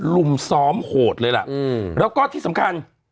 ลุมซ้อมโหดเลยล่ะแล้วก็ที่สำคัญ